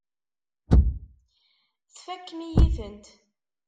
Tfakem-iyi-tent.